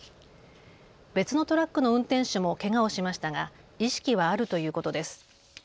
別のトラックの運転手もけがをしましたが意識はあるということです。